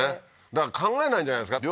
だから考えないんじゃないですか？